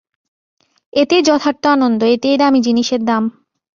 এতেই যথার্থ আনন্দ, এতেই দামি জিনিসের দাম।